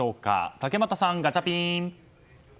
竹俣さん、ガチャピン。